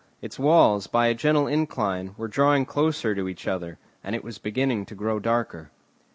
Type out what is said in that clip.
Its walls, by a gentle incline, were drawing closer to each other, and it was beginning to grow darker.